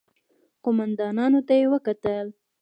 قوماندانانو ته يې وکتل.